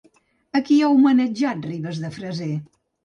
A qui ha homenatjat Ribes de Freser?